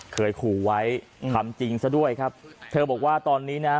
เคยขู่ไว้ทำจริงซะด้วยครับเธอบอกว่าตอนนี้นะ